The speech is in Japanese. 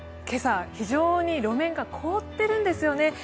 今朝、非常に路面が凍ってるんですよね。